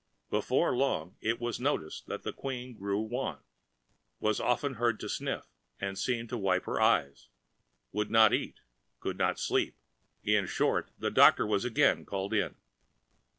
Before long it was noticed that the Queen grew wan, was often heard to sniff, and seen to wipe her eyes, would not eat, could not sleep,—in short, the doctor was again called in.